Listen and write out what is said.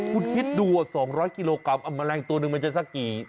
คุณคิดดู๒๐๐กิโลกรัมแมลงตัวหนึ่งมันจะสักกี่